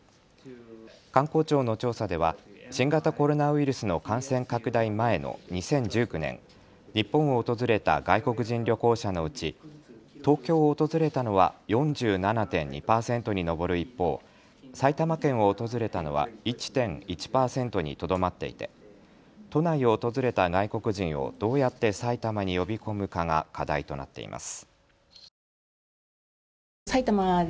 観光庁の調査では新型コロナウイルスの感染拡大前の２０１９年、日本を訪れた外国人旅行者のうち東京を訪れたのは４７．２％に上る一方、埼玉県を訪れたのは１．１％にとどまっていて都内を訪れた外国人をどうやって埼玉に呼び込むかが課題となっています。